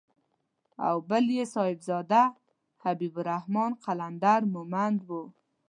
او بل يې صاحبزاده حبيب الرحمن قلندر مومند و.